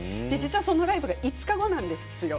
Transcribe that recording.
そのライブは５日後なんですよね。